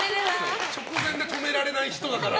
直前で止められない人だから。